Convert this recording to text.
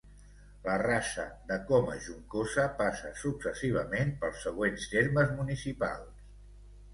La Rasa de Comajuncosa passa successivament pels següents termes municipals.